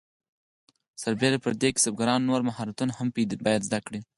سربیره پر دې کسبګران نور مهارتونه هم باید زده کړي.